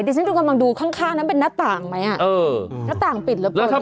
ดิฉันอยู่กำลังดูข้างนั้นเป็นนาต่างไหมอ่ะนาต่างปิดแล้วเปิดดูไม่แน่ใจ